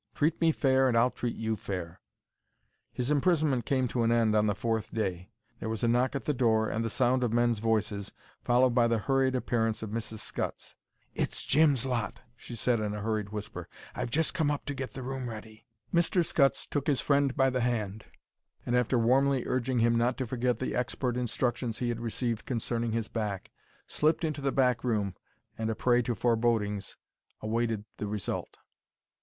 "Treat me fair and I'll treat you fair." His imprisonment came to an end on the fourth day. There was a knock at the door, and the sound of men's voices, followed by the hurried appearance of Mrs. Scutts. "It's Jim's lot," she said, in a hurried whisper. "I've just come up to get the room ready." Mr. Scutts took his friend by the hand, and after warmly urging him not to forget the expert instructions he had received concerning his back, slipped into the back room, and, a prey to forebodings, awaited the result.